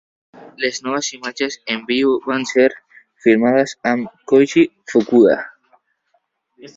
Les noves imatges en viu van ser filmades amb Koichi Fukuda.